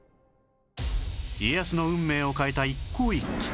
家康の運命を変えた一向一揆